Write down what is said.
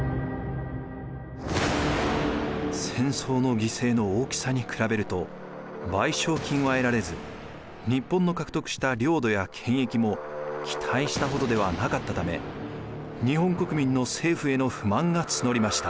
戦争の犠牲の大きさに比べると賠償金は得られず日本の獲得した領土や権益も期待したほどではなかったため日本国民の政府への不満が募りました。